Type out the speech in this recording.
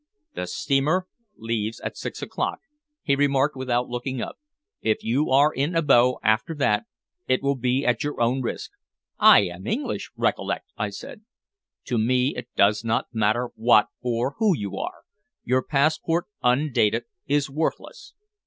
"The steamer leaves at six o'clock," he remarked without looking up. "If you are in Abo after that it will be at your own risk." "I am English, recollect," I said. "To me it does not matter what or who you are. Your passport, undated, is worthless."